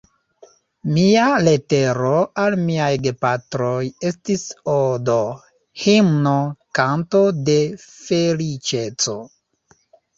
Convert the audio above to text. Mia letero al miaj gepatroj estis odo, himno, kanto de feliĉeco.